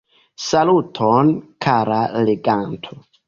Saluton, kara leganto!